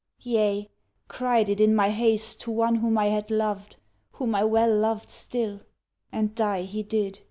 "Yea, cried it in my haste to one Whom I had loved, whom I well loved still; And die he did.